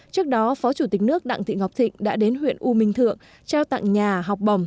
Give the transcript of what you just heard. trước đó phó chủ tịch nước đặng thị ngọc thịnh đã đến huyện u minh thượng trao tặng nhà học bồng